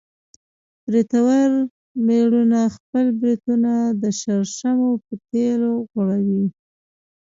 برېتور مېړونه خپل برېتونه د شړشمو په تېل غوړوي.